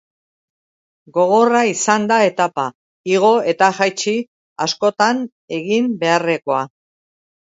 Gogorra izan da etapa, igo eta jaitsi askotan egin beharrekoa.